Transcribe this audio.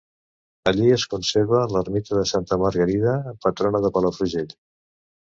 Allí es conserva l'ermita de Santa Margarida, patrona de Palafrugell.